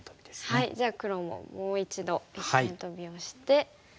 はいじゃあ黒ももう一度一間トビをして。